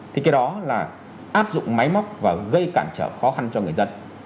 thì cái đó là áp dụng máy móc và gây cản trở khó khăn cho người dân